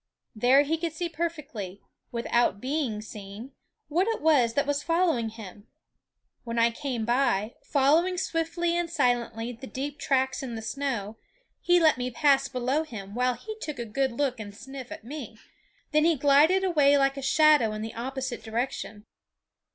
There he could see perfectly, without being seen, what it was that was following him. When I came by, following swiftly and silently the deep tracks in the snow, he let me pass below him while he took a good look and a sniff at me; then he glided away like a shadow in the opposite direction.